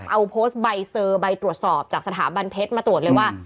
เอาโพสต์ใบเซอร์ใบตรวจสอบจากสถาบันเพชรมาตรวจเลยว่า